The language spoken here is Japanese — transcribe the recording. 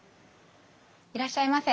いらっしゃいませ。